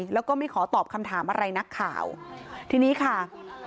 แล้วก็ไม่ขอตอบคำถามอะไรนักข่าวทีนี้ค่ะ